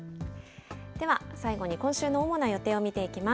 では最後に今週の主な予定を見ていきます。